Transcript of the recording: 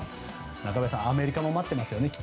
中林さんアメリカも待っていますよね。